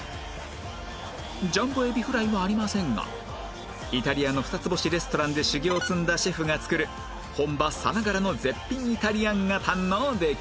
ジャンボエビフライはありませんがイタリアの二つ星レストランで修業を積んだシェフが作る本場さながらの絶品イタリアンが堪能できます